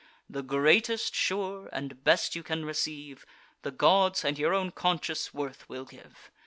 The greatest, sure, and best you can receive, The gods and your own conscious worth will give.